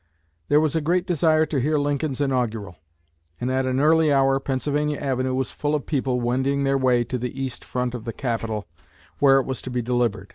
There was a great desire to hear Lincoln's inaugural; and at an early hour Pennsylvania Avenue was full of people wending their way to the east front of the Capitol where it was to be delivered.